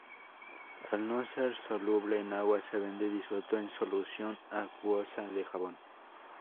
Al no ser soluble en agua, se vende disuelto en solución acuosa de jabón.